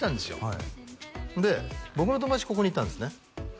はいで僕の友達ここにいたんですね